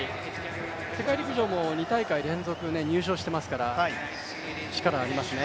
世界陸上も２大会連続で入賞していますから、力がありますね。